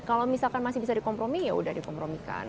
kalau misalkan masih bisa dikompromi ya udah dikompromikan